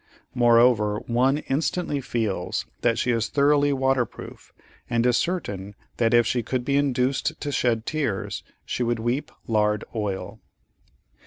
Moreover, one instantly feels that she is thoroughly water proof, and is certain that if she could be induced to shed tears, she would weep lard oil.